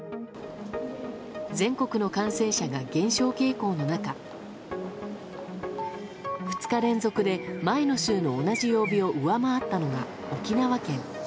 全国の感染者が減少傾向の中２日連続で前の週の同じ曜日を上回ったのが沖縄県。